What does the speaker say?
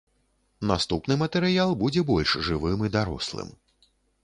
Наступны матэрыял будзе больш жывым і дарослым.